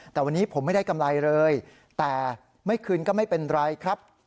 แต่วันนี้ผมไม่ได้กำไรเลยแต่ไม่คืนก็ไม่เป็นไรครับ